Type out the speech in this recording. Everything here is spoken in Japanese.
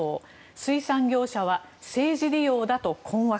水産業者は政治利用だと困惑。